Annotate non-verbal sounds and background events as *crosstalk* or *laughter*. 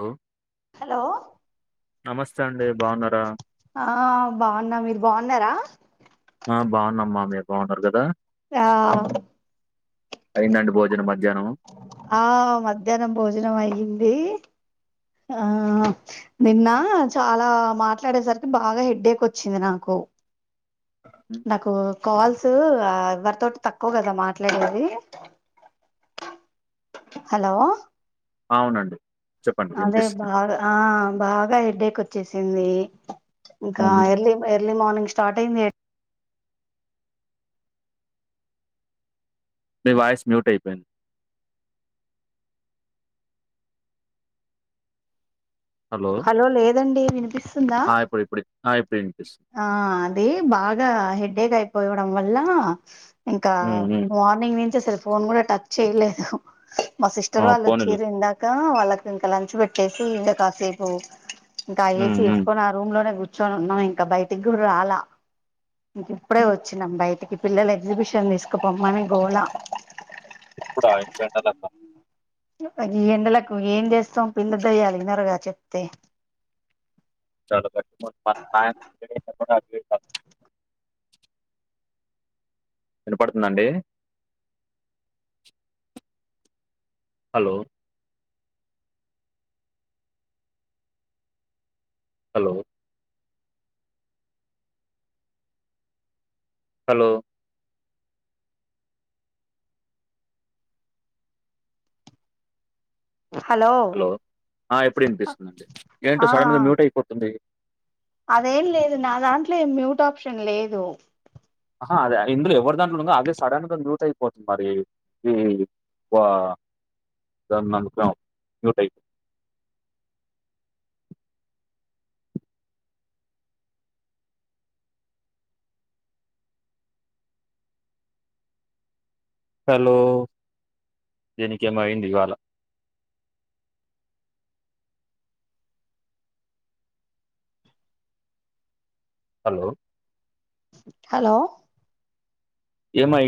hello hello నమస్తే అండి బాగున్నారా ఆ బాగున్న మీరు బాగున్నారా బాగున్నమ్మా మీరు బాగున్నారు కదా ఆ అయిందా అండి భోజనం మధ్యాహ్నం ఆ మధ్యాహ్నం భోజనం అయ్యింది ఆ నిన్న చాలా మాట్లాడేసరికి బాగా హెడఎక్ వచ్చింది నాకు ఉమ్, నాకు కాల్స్ ఎవరితోటి తక్కువ కదా మాట్లాడేది హలో అవునండి చెప్పండి అదే వినిపిస్తుంది బాగా ఆ బాగా హెడేక్ వచ్చేసింది ఇంకా అవును ఎర్లీ ఎర్లీ మార్నింగ్ స్టార్ట్ అయింది మీ వాయిస్ మ్యూట్ అయిపోయింది హలో లేదండి వినపి స్తుందా ఆ ఇప్పుడు ఇప్పుడు ఆ ఇప్పుడు వినిపిస్తుంది అది బాగా హెడ్డేక్ అయిపోయి ల్ వల్ల ఇంకా ఉమ్ ఉమ్ మార్నింగ్ నుంచి అస ఫోన్ కూడా టచ్ చేయలేదు మా ఆ సిస్టర్ వాళ్ళు పోనీలే వచ్చిర్రు ఇందాక ఆ వాళ్ళకి ఇంకా లంచ్ పెట్టేసి ఇ కాసేసి ఓ ఇంకా ఆ ఉమ్ ఏసీ ఉమ్ యేసుకోని ఆ రూమ్ లోనే కు కూర్చొనిన్నాం ఇంకా బయటికి గూడా రాలా ఇంక ఇప్పుడే వచ్చినాం బయటికి పిల్లలు ఎగ్జిబిషన్ తీసుకుపోమని గోలా ఇప్పుడు ఇంత ఎండలల్ల ఈ ఎండలకు ఏం చేస్తాం పిల్ల దయ్యాలు ఇనరుగా చెప్తే చా *unintelligible* సా విన పడుతుందండి హలో హలో హలో హలో ఎప్పుడు అనిపిస్తుందిండి ఆ ఏంటో సడన్గా మ్యూట్ అయిపోతుంది అదేం లేదు నా దాంట్లో మ్యూట్ ఆప్షన్ లేదు అహా అదే ఇందులో ఎవరి దాంట్లో ఉండగా అదే సడన్గా మ్యూట్ అయిపోతుంది మరి ఈ వా దాన్ని అంటున్నాం మ్యూట్ అయిపోతుంది హలో దీనికి ఏమైంది ఇవా ళ హలో హలో ఎమఐ